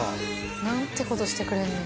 何てことしてくれんねん。